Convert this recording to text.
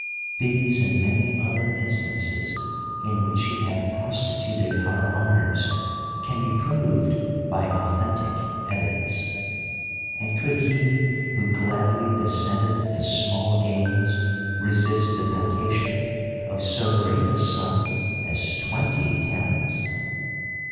These and many other instances in which he hath prostituted our honors can be proved by authen tic evidence. ^Vnd could he who gladly descended to small gains resist the temptation of so great a sum as twenty talents